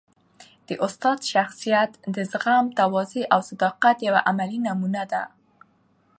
د استاد شخصیت د زغم، تواضع او صداقت یوه عملي نمونه ده.